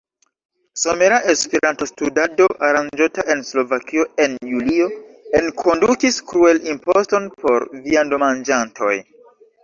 Somera Esperanto-Studado, aranĝota en Slovakio en julio, enkondukis "kruel-imposton" por viandomanĝantoj.